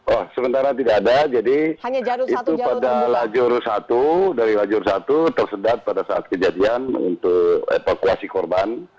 oh sementara tidak ada jadi itu pada lajur satu dari lajur satu tersedat pada saat kejadian untuk evakuasi korban